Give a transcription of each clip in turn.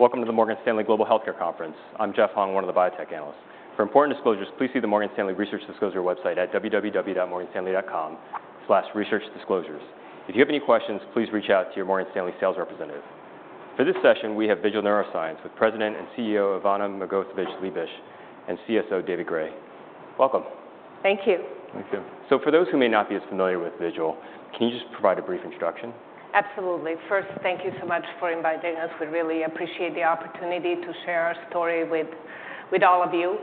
...Welcome to the Morgan Stanley Global Healthcare Conference. I'm Jeff Hung, one of the Biotech Analysts. For important disclosures, please see the Morgan Stanley Research Disclosure website at www.morganstanley.com/researchdisclosures. If you have any questions, please reach out to your Morgan Stanley sales representative. For this session, we have Vigil Neuroscience, with President and CEO, Ivana Magovčević-Liebisch, and CSO, David Gray. Welcome. Thank you. Thank you. So for those who may not be as familiar with Vigil, can you just provide a brief introduction? Absolutely. First, thank you so much for inviting us. We really appreciate the opportunity to share our story with, with all of you.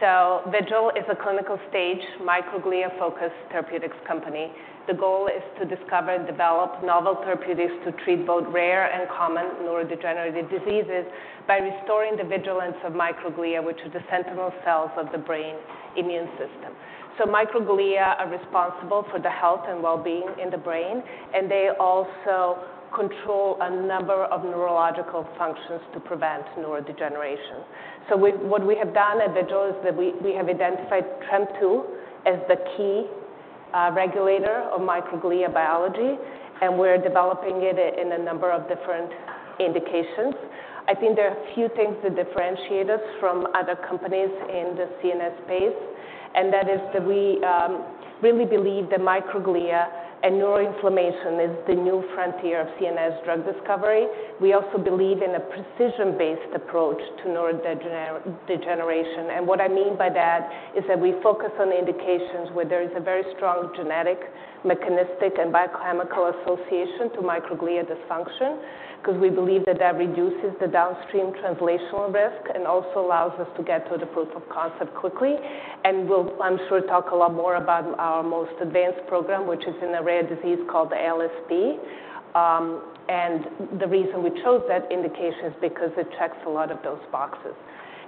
So Vigil is a clinical stage microglia-focused therapeutics company. The goal is to discover and develop novel therapeutics to treat both rare and common neurodegenerative diseases by restoring the vigilance of microglia, which are the sentinel cells of the brain's immune system. So microglia are responsible for the health and well-being in the brain, and they also control a number of neurological functions to prevent neurodegeneration. So what we have done at Vigil is that we, we have identified TREM2 as the key regulator of microglia biology, and we're developing it in a number of different indications. I think there are a few things that differentiate us from other companies in the CNS space, and that is that we really believe that microglia and neuroinflammation is the new frontier of CNS drug discovery. We also believe in a precision-based approach to neurodegeneration. And what I mean by that is that we focus on indications where there is a very strong genetic, mechanistic, and biochemical association to microglia dysfunction, 'cause we believe that that reduces the downstream translational risk, and also allows us to get to the proof of concept quickly. And we'll, I'm sure, talk a lot more about our most advanced program, which is in a rare disease called ALSP. And the reason we chose that indication is because it checks a lot of those boxes.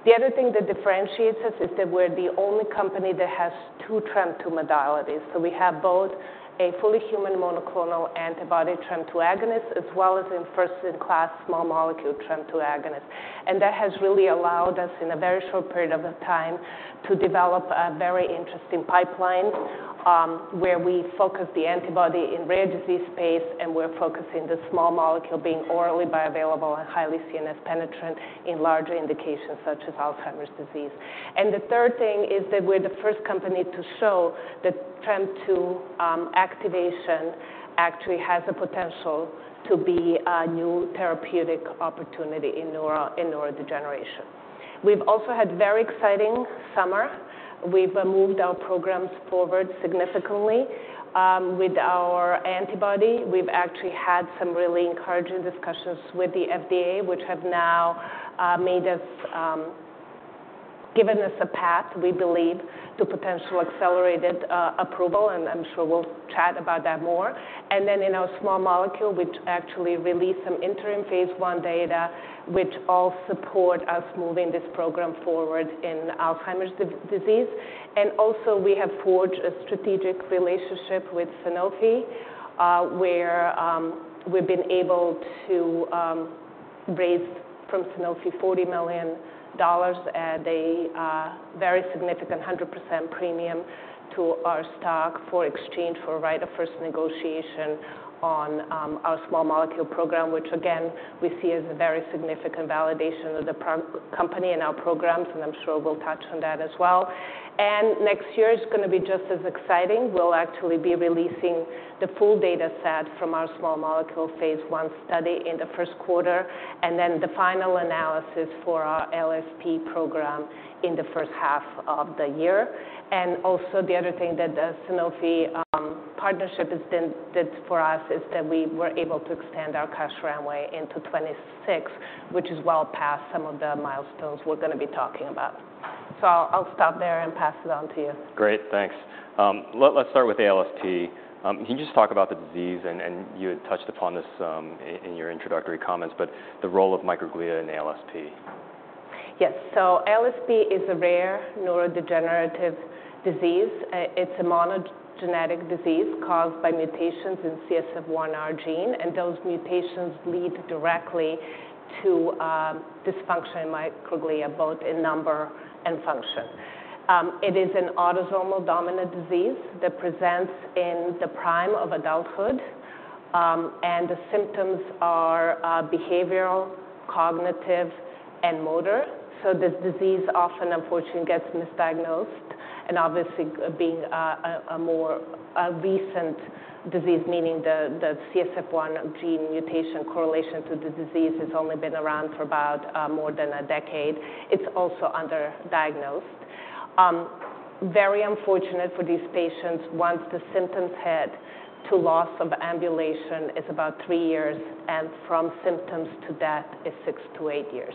The other thing that differentiates us is that we're the only company that has two TREM2 modalities. We have both a fully human monoclonal antibody TREM2 agonist, as well as a first-in-class small molecule TREM2 agonist. And that has really allowed us, in a very short period of time, to develop a very interesting pipeline, where we focus the antibody in rare disease space, and we're focusing the small molecule being orally bioavailable and highly CNS penetrant in larger indications, such as Alzheimer's disease. And the third thing is that we're the first company to show that TREM2 activation actually has the potential to be a new therapeutic opportunity in neurodegeneration. We've also had very exciting summer. We've moved our programs forward significantly. With our antibody, we've actually had some really encouraging discussions with the FDA, which have now made us... Given us a path, we believe, to potential accelerated approval, and I'm sure we'll chat about that more. And then in our small molecule, we actually released some interim phase 1 data, which all support us moving this program forward in Alzheimer's disease. And also, we have forged a strategic relationship with Sanofi, where we've been able to raise from Sanofi $40 million at a very significant 100% premium to our stock in exchange for right of first negotiation on our small molecule program, which again, we see as a very significant validation of the program and company and our programs, and I'm sure we'll touch on that as well. And next year is gonna be just as exciting. We'll actually be releasing the full data set from our small molecule phase I study in the first quarter, and then the final analysis for our ALSP program in the first half of the year. And also, the other thing that the Sanofi partnership did for us is that we were able to extend our cash runway into 2026, which is well past some of the milestones we're gonna be talking about. So I'll stop there and pass it on to you. Great, thanks. Let's start with ALSP. Can you just talk about the disease? And you had touched upon this in your introductory comments, but the role of microglia in ALSP. Yes. So ALSP is a rare neurodegenerative disease. It's a monogenetic disease caused by mutations in CSF1R gene, and those mutations lead directly to dysfunction in microglia, both in number and function. It is an autosomal dominant disease that presents in the prime of adulthood, and the symptoms are behavioral, cognitive, and motor. So this disease often, unfortunately, gets misdiagnosed, and obviously, being a more recent disease, meaning the CSF1R gene mutation correlation to the disease has only been around for about more than a decade. It's also under-diagnosed. Very unfortunate for these patients, once the symptoms hit to loss of ambulation, it's about three years, and from symptoms to death is six to eight years.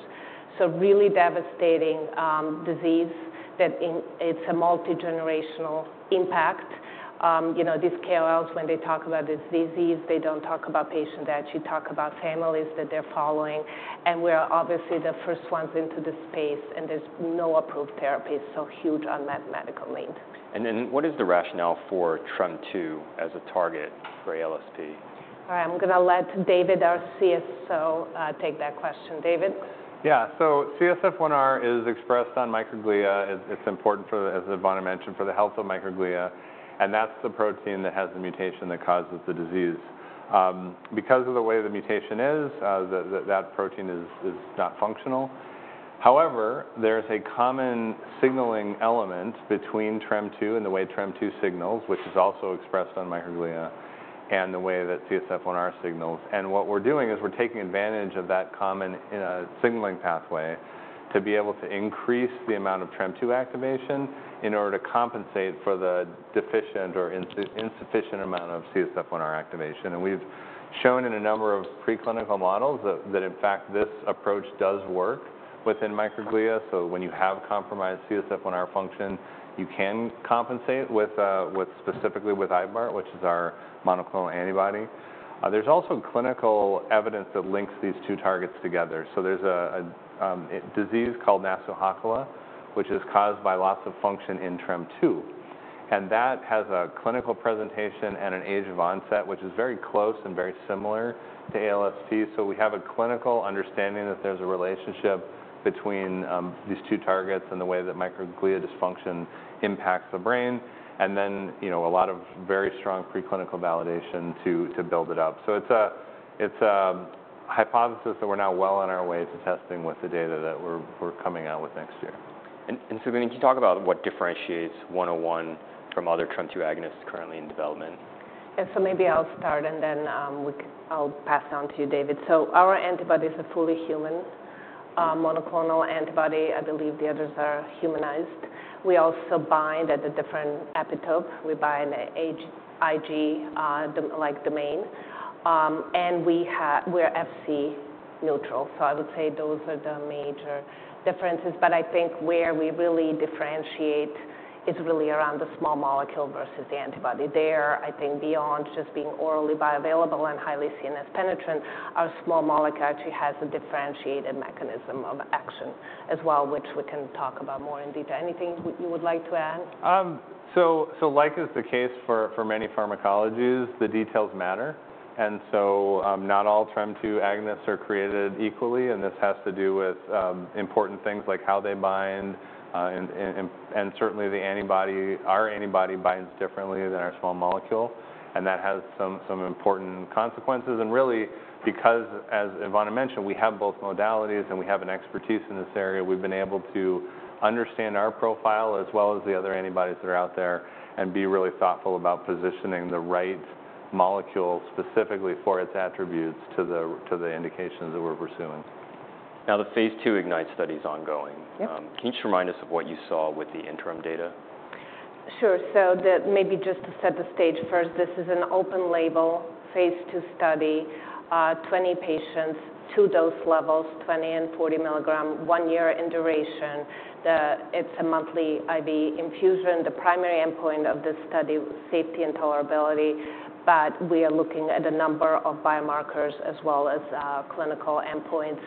So really devastating disease. It's a multi-generational impact. You know, these KOLs, when they talk about this disease, they don't talk about patient, they actually talk about families that they're following. And we are obviously the first ones into this space, and there's no approved therapies, so huge unmet medical need. What is the rationale for TREM2 as a target for ALSP? All right, I'm gonna let David, our CSO, take that question. David? Yeah. So CSF1R is expressed on microglia. It's important for, as Ivana mentioned, for the health of microglia, and that's the protein that has the mutation that causes the disease. Because of the way the mutation is, that protein is not functional. However, there's a common signaling element between TREM2 and the way TREM2 signals, which is also expressed on microglia, and the way that CSF1R signals. And what we're doing is we're taking advantage of that common signaling pathway to be able to increase the amount of TREM2 activation in order to compensate for the deficient or insufficient amount of CSF1R activation. And we've shown in a number of preclinical models that in fact this approach does work within microglia. So when you have compromised CSF1R function, you can compensate with specifically with iluzanebart, which is our monoclonal antibody. There's also clinical evidence that links these two targets together. So there's a disease called Nasu-Hakola, which is caused by loss of function in TREM2, and that has a clinical presentation and an age of onset, which is very close and very similar to ALSP. So we have a clinical understanding that there's a relationship between these two targets and the way that microglial dysfunction impacts the brain, and then, you know, a lot of very strong preclinical validation to build it up. So it's a hypothesis that we're now well on our way to testing with the data that we're coming out with next year. Can you talk about what differentiates VGL101 from other TREM2 agonists currently in development? Yeah, so maybe I'll start, and then I'll pass it on to you, David, so our antibodies are fully human monoclonal antibody. I believe the others are humanized. We also bind at the different epitope. We bind at IgV-like domain. And we're Fc neutral, so I would say those are the major differences. But I think where we really differentiate is really around the small molecule versus the antibody. There, I think beyond just being orally bioavailable and highly CNS penetrant, our small molecule actually has a differentiated mechanism of action as well, which we can talk about more in detail. Anything you would like to add? As is the case for many pharmacologies, the details matter. Not all TREM2 agonists are created equally, and this has to do with important things like how they bind and certainly the antibody. Our antibody binds differently than our small molecule, and that has some important consequences. Really, because as Ivana mentioned, we have both modalities and we have an expertise in this area, we've been able to understand our profile, as well as the other antibodies that are out there, and be really thoughtful about positioning the right molecule specifically for its attributes to the indications that we're pursuing. Now, the phase II IGNITE study is ongoing. Yep. Can you just remind us of what you saw with the interim data? Sure. So maybe just to set the stage first, this is an open-label phase II study, 20 patients, two dose levels, 20 and 40 milligrams, one year in duration. It's a monthly IV infusion. The primary endpoint of this study, safety and tolerability, but we are looking at a number of biomarkers, as well as, clinical endpoints.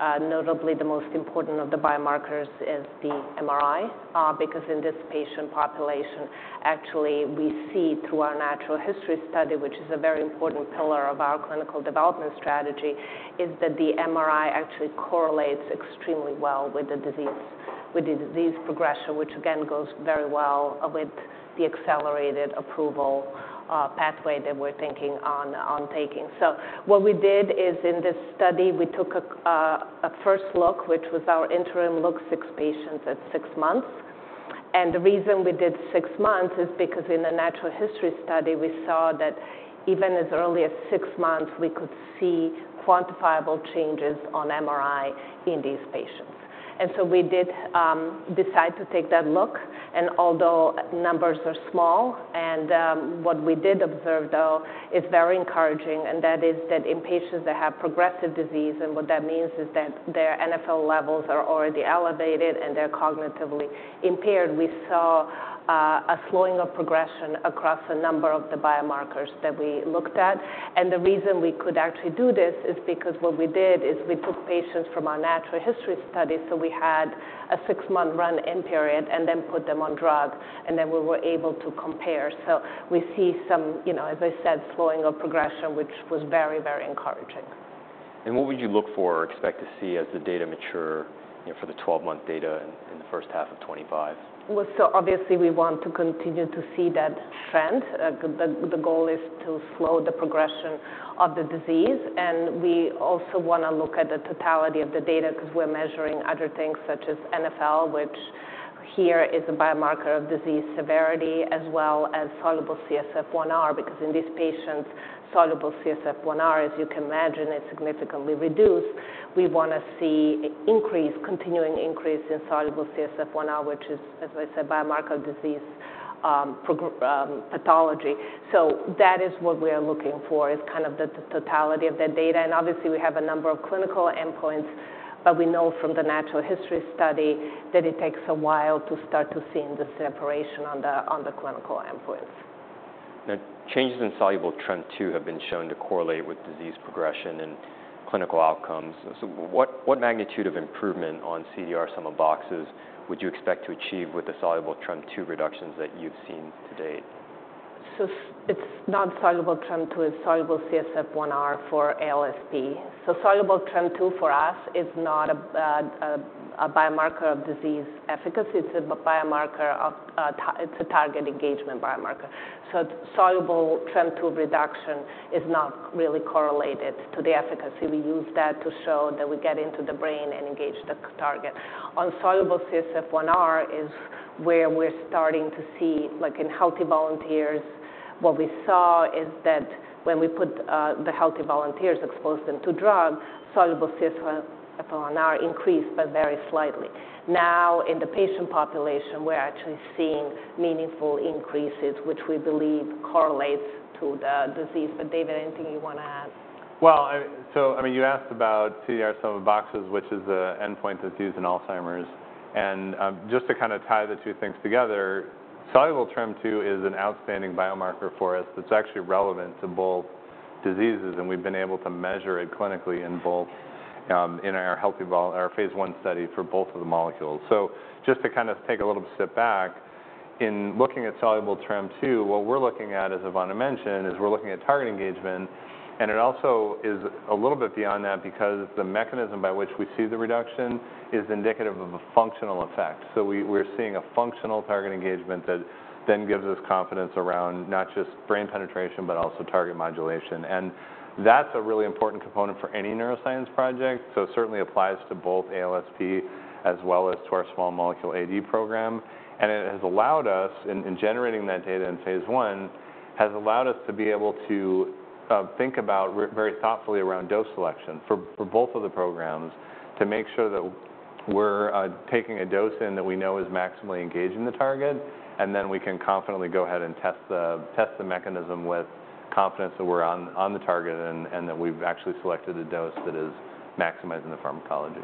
Notably, the most important of the biomarkers is the MRI, because in this patient population, actually, we see through our natural history study, which is a very important pillar of our clinical development strategy, is that the MRI actually correlates extremely well with the disease, with the disease progression, which again, goes very well with the accelerated approval pathway that we're thinking on taking. What we did is in this study, we took a first look, which was our interim look, six patients at six months. The reason we did six months is because in the natural history study, we saw that even as early as six months, we could see quantifiable changes on MRI in these patients. We did decide to take that look, and although numbers are small, and what we did observe, though, is very encouraging, and that is that in patients that have progressive disease, and what that means is that their NfL levels are already elevated and they're cognitively impaired. We saw a slowing of progression across a number of the biomarkers that we looked at. The reason we could actually do this is because what we did is we took patients from our natural history study, so we had a six-month run-in period and then put them on drug, and then we were able to compare. We see some, you know, as I said, slowing of progression, which was very, very encouraging. What would you look for or expect to see as the data mature, you know, for the twelve-month data in the first half of 2025? So obviously, we want to continue to see that trend. The goal is to slow the progression of the disease, and we also wanna look at the totality of the data 'cause we're measuring other things, such as NfL, which here is a biomarker of disease severity, as well as soluble CSF1R, because in these patients, soluble CSF1R, as you can imagine, is significantly reduced. We wanna see continuing increase in soluble CSF1R, which is, as I said, biomarker disease, pathology. So that is what we are looking for, is kind of the totality of the data. And obviously, we have a number of clinical endpoints, but we know from the natural history study that it takes a while to start to seeing the separation on the clinical endpoints. Now, changes in soluble TREM2 have been shown to correlate with disease progression and clinical outcomes. So, what magnitude of improvement on CDR Sum of Boxes would you expect to achieve with the soluble TREM2 reductions that you've seen to date? So it's not soluble TREM2, it's soluble CSF1R for ALSP. So soluble TREM2 for us is not a biomarker of disease efficacy. It's a biomarker of target engagement. So soluble TREM2 reduction is not really correlated to the efficacy. We use that to show that we get into the brain and engage the target. Soluble CSF1R is where we're starting to see, like, in healthy volunteers, what we saw is that when we exposed the healthy volunteers to drug, soluble CSF1R increased, but very slightly. Now, in the patient population, we're actually seeing meaningful increases, which we believe correlates to the disease. But David, anything you wanna add? I mean, you asked about CDR sum of boxes, which is an endpoint that's used in Alzheimer's. Just to kinda tie the two things together, soluble TREM2 is an outstanding biomarker for us that's actually relevant to both diseases, and we've been able to measure it clinically in both, in our phase I study for both of the molecules. Just to kind of take a little step back, in looking at soluble TREM2, what we're looking at, as Ivana mentioned, is we're looking at target engagement, and it also is a little bit beyond that because the mechanism by which we see the reduction is indicative of a functional effect. We're seeing a functional target engagement that then gives us confidence around not just brain penetration, but also target modulation. That's a really important component for any neuroscience project, so it certainly applies to both ALSP as well as to our small molecule AD program. It has allowed us, in generating that data in phase 1, has allowed us to be able to think about very thoughtfully around dose selection for both of the programs, to make sure that we're taking a dose in that we know is maximally engaging the target, and then we can confidently go ahead and test the mechanism with confidence that we're on the target and that we've actually selected a dose that is maximizing the pharmacology.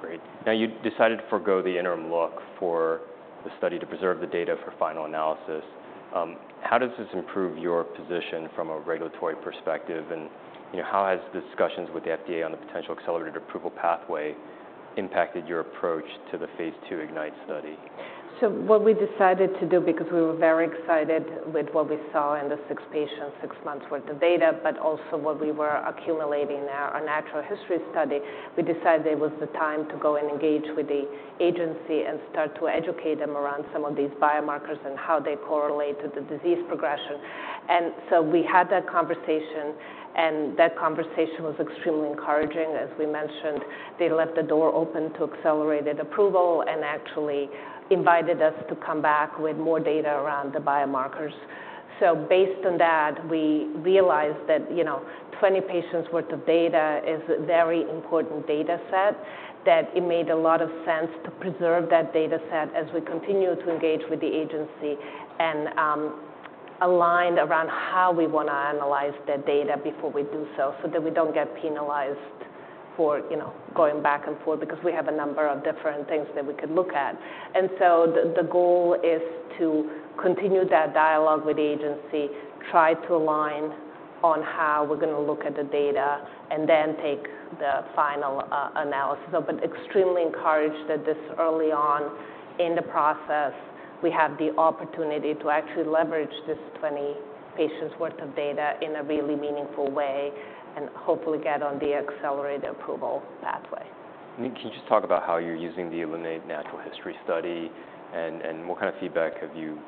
Great. Now, you decided to forego the interim look for the study to preserve the data for final analysis. How does this improve your position from a regulatory perspective? And, you know, how has discussions with the FDA on the potential accelerated approval pathway impacted your approach to the Phase II IGNITE study? So what we decided to do, because we were very excited with what we saw in the six patients, six months worth of data, but also what we were accumulating now, our natural history study, we decided it was the time to go and engage with the agency and start to educate them around some of these biomarkers and how they correlate to the disease progression. And so we had that conversation, and that conversation was extremely encouraging. As we mentioned, they left the door open to accelerated approval and actually invited us to come back with more data around the biomarkers. So based on that, we realized that, you know, 20 patients' worth of data is a very important data set, that it made a lot of sense to preserve that data set as we continue to engage with the agency and align around how we wanna analyze the data before we do so, so that we don't get penalized for, you know, going back and forth because we have a number of different things that we could look at. And so the goal is to continue that dialogue with the agency, try to align on how we're gonna look at the data, and then take the final analysis. But extremely encouraged that this early on in the process, we have the opportunity to actually leverage this 20 patients' worth of data in a really meaningful way, and hopefully get on the accelerated approval pathway. And can you just talk about how you're using the ILLUMINATE Natural History Study, and what kind of feedback have you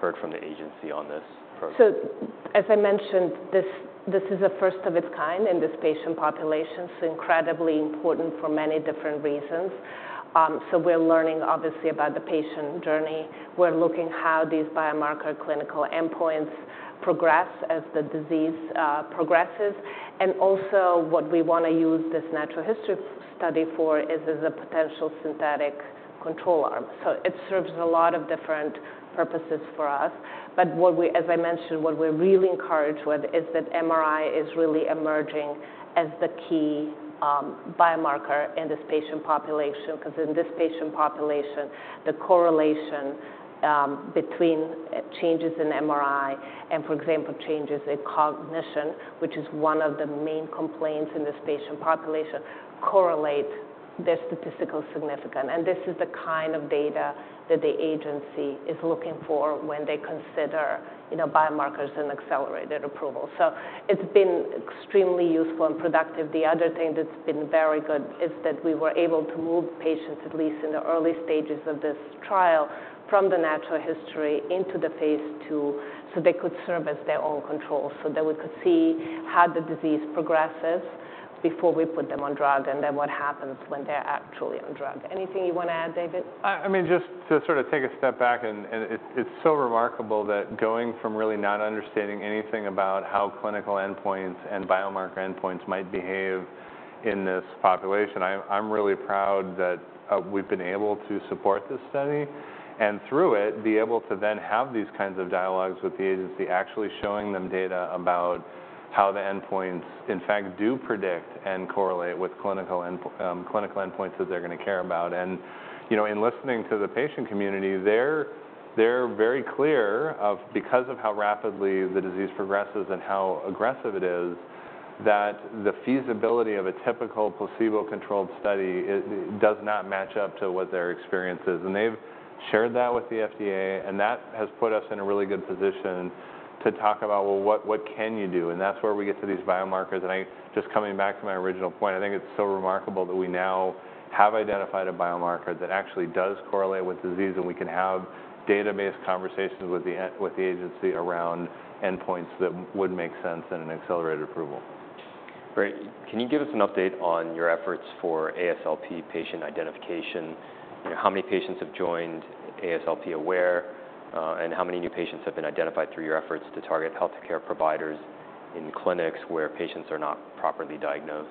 heard from the agency on this program? So as I mentioned, this is a first of its kind in this patient population. It's incredibly important for many different reasons. So we're learning obviously about the patient journey. We're looking how these biomarker clinical endpoints progress as the disease progresses. And also, what we wanna use this natural history study for is as a potential synthetic control arm. So it serves a lot of different purposes for us. But what we... As I mentioned, what we're really encouraged with is that MRI is really emerging as the key biomarker in this patient population, 'cause in this patient population, the correlation between changes in MRI and, for example, changes in cognition, which is one of the main complaints in this patient population, correlate. They're statistically significant. And this is the kind of data that the agency is looking for when they consider, you know, biomarkers and accelerated approval. So it's been extremely useful and productive. The other thing that's been very good is that we were able to move patients, at least in the early stages of this trial, from the natural history into the phase 2, so they could serve as their own control, so that we could see how the disease progresses before we put them on drug, and then what happens when they're actually on drug. Anything you wanna add, David? I mean, just to sort of take a step back, and it's so remarkable that going from really not understanding anything about how clinical endpoints and biomarker endpoints might behave in this population, I'm really proud that we've been able to support this study, and through it, be able to then have these kinds of dialogues with the agency, actually showing them data about how the endpoints, in fact, do predict and correlate with clinical endpoints that they're gonna care about. You know, in listening to the patient community, they're very clear because of how rapidly the disease progresses and how aggressive it is, that the feasibility of a typical placebo-controlled study, it does not match up to what their experience is. And they've shared that with the FDA, and that has put us in a really good position to talk about, well, what can you do? And that's where we get to these biomarkers. And I just coming back to my original point, I think it's so remarkable that we now have identified a biomarker that actually does correlate with disease, and we can have data-based conversations with the agency around endpoints that would make sense in an accelerated approval.... Great. Can you give us an update on your efforts for ALSP patient identification? You know, how many patients have joined ALSP aware, and how many new patients have been identified through your efforts to target healthcare providers in clinics where patients are not properly diagnosed?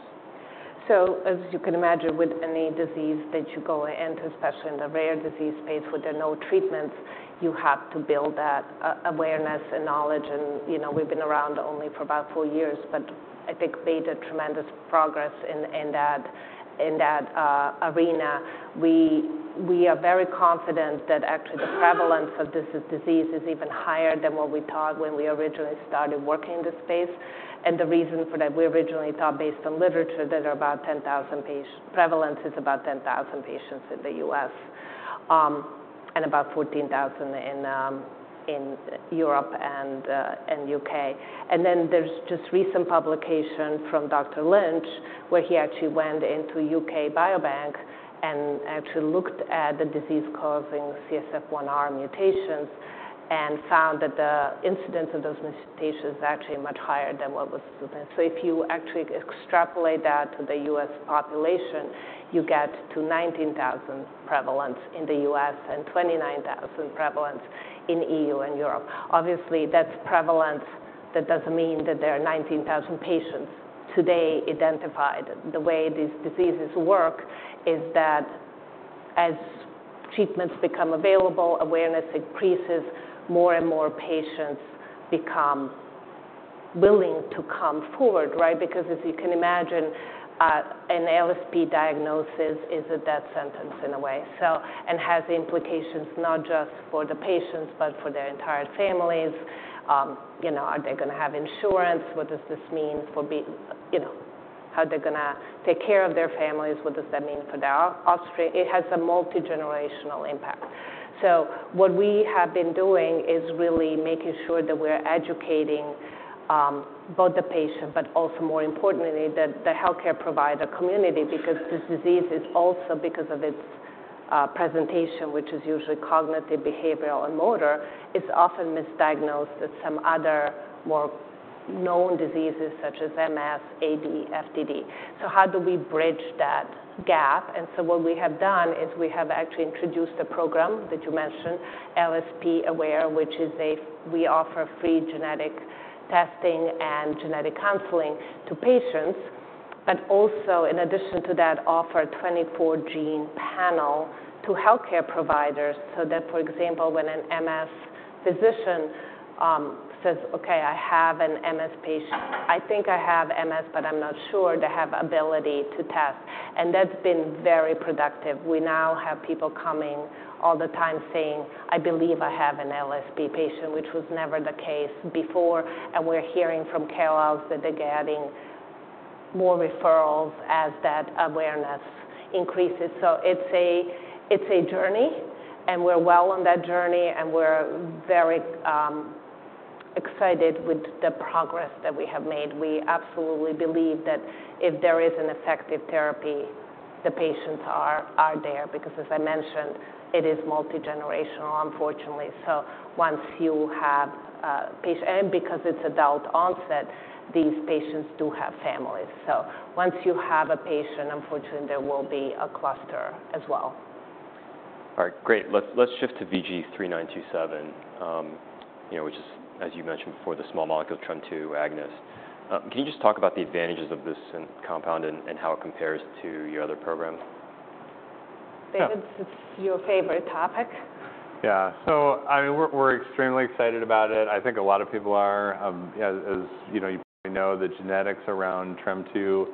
As you can imagine, with any disease that you go into, especially in the rare disease space where there are no treatments, you have to build that awareness and knowledge and, you know, we've been around only for about four years, but I think we made a tremendous progress in that arena. We are very confident that actually the prevalence of this disease is even higher than what we thought when we originally started working in this space, and the reason for that, we originally thought, based on literature, that the prevalence is about 10,000 patients in the U.S., and about 14,000 in Europe and the U.K., and then there's just a recent publication from Dr. Lynch, where he actually went into UK Biobank and actually looked at the disease-causing CSF1R mutations and found that the incidence of those mutations is actually much higher than what was presented. So if you actually extrapolate that to the US population, you get to 19,000 prevalence in the US and 29,000 prevalence in EU and Europe. Obviously, that's prevalence. That doesn't mean that there are 19,000 patients today identified. The way these diseases work is that as treatments become available, awareness increases, more and more patients become willing to come forward, right? Because if you can imagine, an ALSP diagnosis is a death sentence in a way, so... and has implications not just for the patients, but for their entire families. You know, are they gonna have insurance? What does this mean for you know, how they're gonna take care of their families? What does that mean for their offspring? It has a multigenerational impact. So what we have been doing is really making sure that we're educating both the patient, but also more importantly, the healthcare provider community, because this disease is also because of its presentation, which is usually cognitive, behavioral, and motor. It's often misdiagnosed as some other more known diseases such as MS, AD, FTD. So how do we bridge that gap? And so what we have done is we have actually introduced a program that you mentioned, ALSP aware, which is a... We offer free genetic testing and genetic counseling to patients, but also, in addition to that, offer a twenty-four gene panel to healthcare providers, so that, for example, when an MS physician says, "Okay, I have an MS patient, I think I have MS, but I'm not sure," they have ability to test. And that's been very productive. We now have people coming all the time saying, "I believe I have an ALSP patient," which was never the case before, and we're hearing from care hubs that they're getting more referrals as that awareness increases. So it's a journey, and we're well on that journey, and we're very excited with the progress that we have made. We absolutely believe that if there is an effective therapy, the patients are there, because as I mentioned, it is multigenerational unfortunately. So once you have a patient, and because it's adult onset, these patients do have families. So once you have a patient, unfortunately, there will be a cluster as well. All right, great. Let's shift to VG3927, you know, which is, as you mentioned before, the small molecule TREM2 agonist. Can you just talk about the advantages of this small compound and how it compares to your other programs? David,- Yeah... this is your favorite topic. Yeah. So, I mean, we're extremely excited about it. I think a lot of people are, as you know, the genetics around TREM2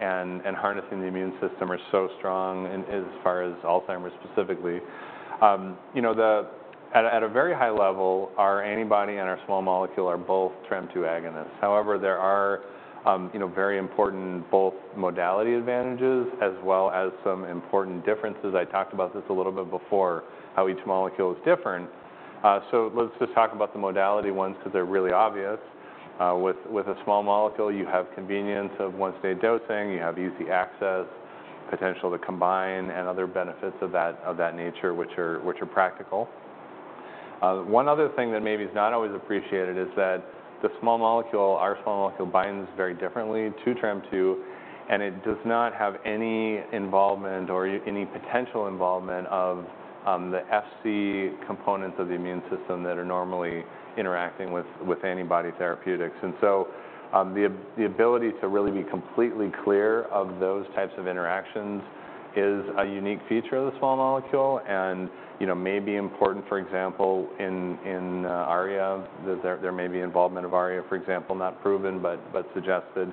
and harnessing the immune system are so strong as far as Alzheimer's specifically. You know, at a very high level, our antibody and our small molecule are both TREM2 agonists. However, there are very important both modality advantages as well as some important differences. I talked about this a little bit before, how each molecule is different. So let's just talk about the modality ones, because they're really obvious. With a small molecule, you have convenience of once-day dosing, you have easy access, potential to combine, and other benefits of that nature, which are practical. One other thing that maybe is not always appreciated is that the small molecule, our small molecule, binds very differently to TREM2, and it does not have any involvement or any potential involvement of the Fc components of the immune system that are normally interacting with antibody therapeutics. And so, the ability to really be completely clear of those types of interactions is a unique feature of the small molecule and, you know, may be important, for example, in ARIA. There may be involvement of ARIA, for example, not proven, but suggested.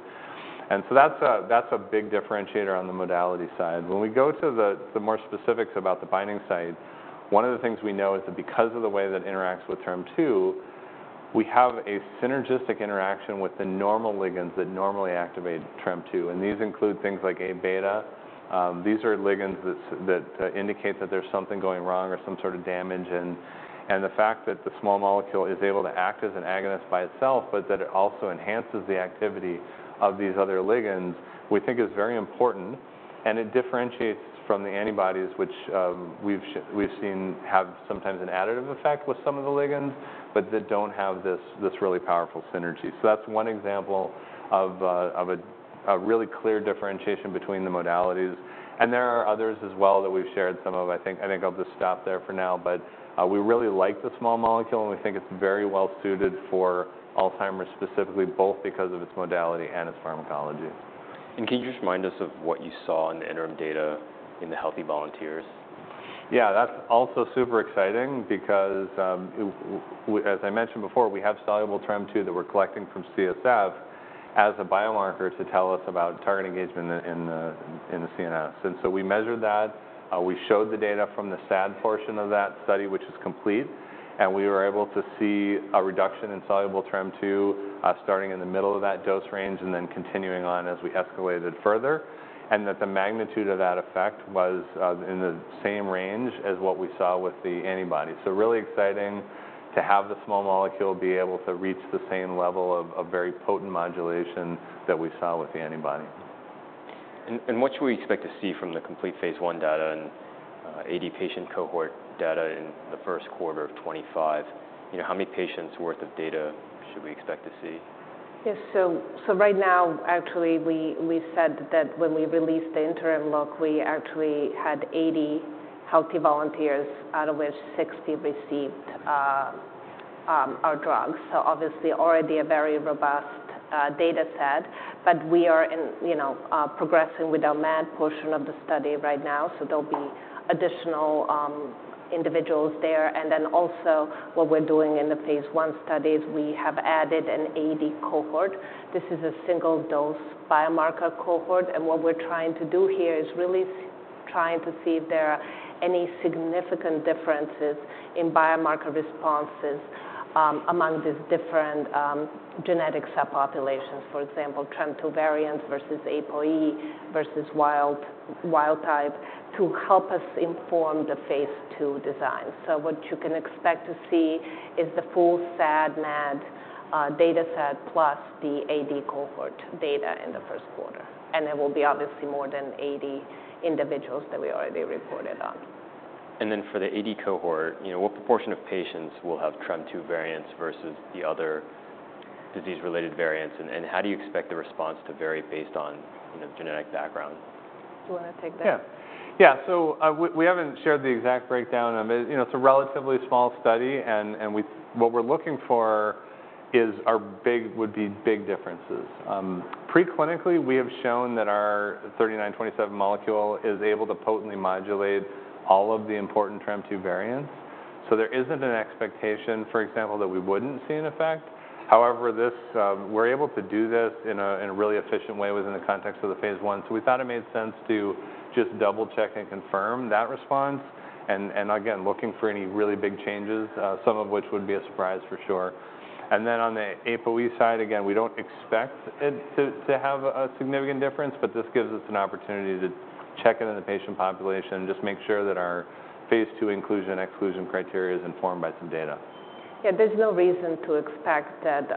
And so that's a big differentiator on the modality side. When we go to the more specifics about the binding site, one of the things we know is that because of the way that it interacts with TREM2, we have a synergistic interaction with the normal ligands that normally activate TREM2, and these include things like A-beta. These are ligands that indicate that there's something going wrong or some sort of damage. The fact that the small molecule is able to act as an agonist by itself, but that it also enhances the activity of these other ligands we think is very important, and it differentiates from the antibodies, which we've seen have sometimes an additive effect with some of the ligands, but that don't have this really powerful synergy. So that's one example of a really clear differentiation between the modalities, and there are others as well that we've shared some of. I think I'll just stop there for now, but we really like the small molecule, and we think it's very well suited for Alzheimer's specifically, both because of its modality and its pharmacology. Can you just remind us of what you saw in the interim data in the healthy volunteers? Yeah, that's also super exciting because, as I mentioned before, we have soluble TREM2 that we're collecting from CSF as a biomarker to tell us about target engagement in the, in the CNS. And so we measured that, we showed the data from the SAD portion of that study, which is complete, and we were able to see a reduction in soluble TREM2, starting in the middle of that dose range, and then continuing on as we escalated further, and that the magnitude of that effect was, in the same range as what we saw with the antibody. So really exciting to have the small molecule be able to reach the same level of, of very potent modulation that we saw with the antibody. What should we expect to see from the complete phase I data and AD patient cohort data in the first quarter of 2025? You know, how many patients worth of data should we expect to see? Yes. So right now, actually, we said that when we released the interim look, we actually had 80 healthy volunteers, out of which 60 received our drugs. So obviously, already a very robust data set. But we are in, you know, progressing with our MAD portion of the study right now, so there'll be additional individuals there. And then also, what we're doing in the phase I study is we have added an AD cohort. This is a single-dose biomarker cohort, and what we're trying to do here is really trying to see if there are any significant differences in biomarker responses, among these different genetic subpopulations. For example, TREM2 variant versus APOE versus wild type, to help us inform the phase II design. What you can expect to see is the full SAD, MAD, data set, plus the AD cohort data in the first quarter, and there will be obviously more than 80 individuals that we already reported on. Then for the AD cohort, you know, what proportion of patients will have TREM2 variants versus the other disease-related variants? How do you expect the response to vary based on, you know, genetic background? Do you want to take that? Yeah. Yeah, so we haven't shared the exact breakdown of it. You know, it's a relatively small study, and what we're looking for is our big would be big differences. Preclinically, we have shown that our 3927 molecule is able to potently modulate all of the important TREM2 variants, so there isn't an expectation, for example, that we wouldn't see an effect. However, this we're able to do this in a really efficient way within the context of the phase I, so we thought it made sense to just double check and confirm that response. And again, looking for any really big changes, some of which would be a surprise for sure. Then on the APOE side, again, we don't expect it to have a significant difference, but this gives us an opportunity to check in on the patient population, just make sure that our phase II inclusion/exclusion criteria is informed by some data. Yeah, there's no reason to expect that,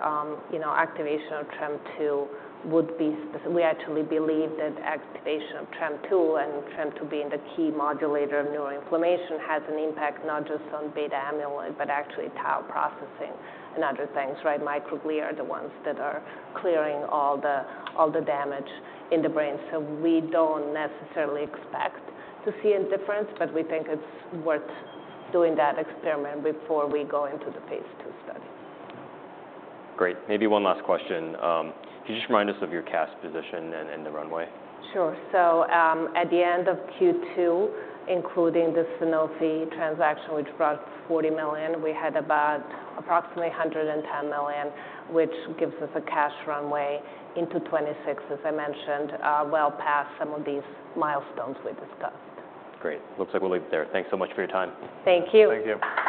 you know, activation of TREM2 would be specific. We actually believe that activation of TREM2 and TREM2 being the key modulator of neuroinflammation has an impact not just on beta amyloid, but actually tau processing and other things, right? Microglia are the ones that are clearing all the damage in the brain. So we don't necessarily expect to see a difference, but we think it's worth doing that experiment before we go into the phase II study. Great. Maybe one last question. Can you just remind us of your cash position and the runway? Sure. So, at the end of Q2, including the Sanofi transaction, which brought $40 million, we had about approximately $110 million, which gives us a cash runway into 2026, as I mentioned, well past some of these milestones we discussed. Great. Looks like we'll leave it there. Thanks so much for your time. Thank you. Thank you.